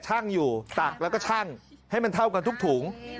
อยู่ตักแล้วก็ชั่งให้มันเท่ากันทุกถุง